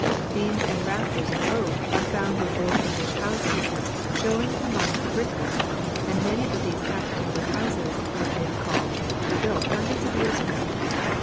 Beams and rafters of oak are found in old English houses, showing among the brick work, and many of these half timbered houses, as they are called, were built hundreds of years ago.